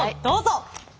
どうぞ！